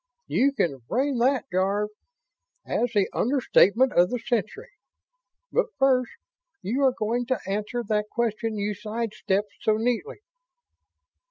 "You can frame that, Jarve, as the understatement of the century. But first, you are going to answer that question you sidestepped so neatly."